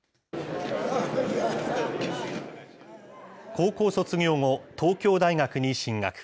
高校卒業後、東京大学に進学。